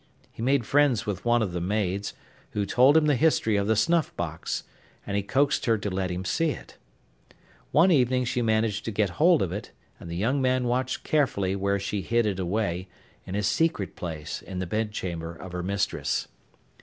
He made friends with one of the maids, who told him the history of the snuff box, and he coaxed her to let him see it. One evening she managed to get hold of it, and the young man watched carefully where she hid it away, in a secret place in the bedchamber of her mistress.